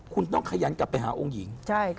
คุณต้องขยันกลับไปหาองค์หญิง